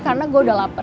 karena gue udah lapar